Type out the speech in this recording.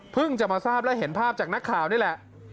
จะมาทราบและเห็นภาพจากนักข่าวนี่แหละ